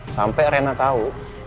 sampai rena tahu